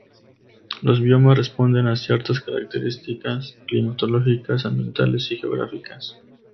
Los biomas responden a ciertas características climatológicas, ambientales y geográficas.